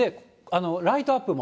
ライトアップも。